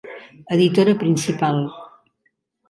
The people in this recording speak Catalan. Editora Principal: